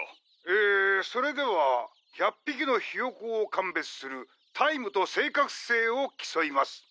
ええそれでは１００匹のひよこを鑑別するタイムと正確性を競います。